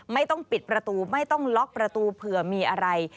ไม่ต้องปิดประตูไม่ต้องล็อกประตูเผื่อมีอะไร